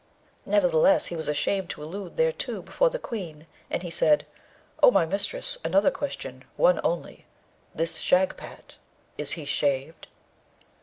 Nevertheless, he was ashamed to allude thereto before the Queen, and he said, 'O my mistress, another question, one only! This Shagpat is he shaved?'